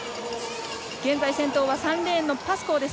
現在、先頭は３レーンのパスコーです。